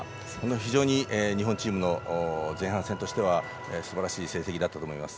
非常に日本チームの前半戦としてはすばらしい成績だったと思います。